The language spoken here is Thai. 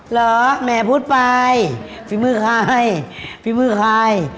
แหมพูดไปฝีมือใครฝีมือใคร